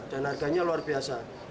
dan harganya luar biasa